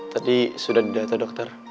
tadi sudah didata dokter